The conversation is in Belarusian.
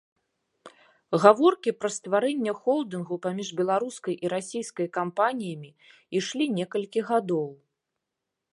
Гаворкі пра стварэнне холдынгу паміж беларускай і расійскай кампаніямі ішлі некалькі гадоў.